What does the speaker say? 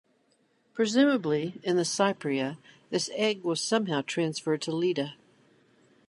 Presumably, in the "Cypria", this egg was somehow transferred to Leda.